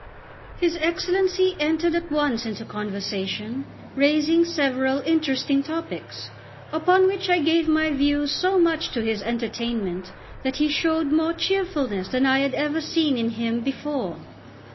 His Excellency entered at once into conversation, raising several interesting topics, upon which I gave my views so much to his entertainment that he showed more cheerfulness than I had ever seen in him before.